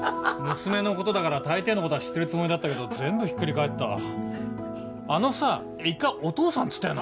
娘のことだから大抵のことは知ってるつもりだったけど全部ひっくり返ったわあのさ一回「お父さん」って言ったよな。